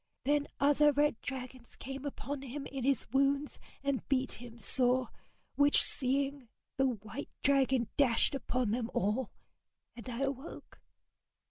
Then other red dragons came upon him in his wounds and beat him sore, which seeing, the white dragon dashed upon them all and I awoke.